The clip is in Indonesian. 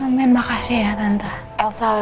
amin makasih ya tante elsa